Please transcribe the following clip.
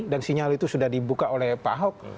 dan sinyal itu sudah dibuka oleh pak ahok